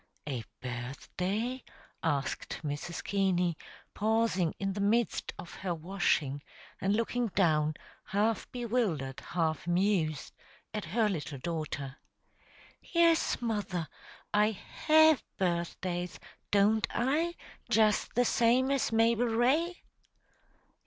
"A birthday?" asked Mrs. Keaney, pausing in the midst of her washing, and looking down, half bewildered, half amused, at her little daughter. "Yes, mother. I have birthdays, don't I, just the same as Mabel Ray?"